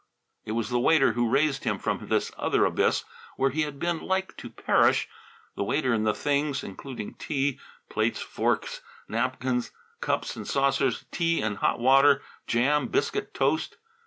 It was the waiter who raised him from this other abyss where he had been like to perish, the waiter and the things, including tea: plates, forks, napkins, cups and saucers, tea and hot water, jam, biscuit, toast.